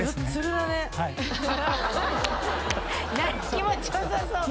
気持ち良さそう！